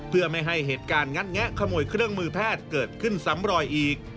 เพื่อไม่ให้เหตุการณ์งัดแงะขโมยเครื่องมือแพทย์เกิดขึ้นซ้ำรอยอีก